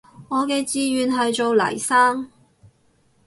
我嘅志願係做黎生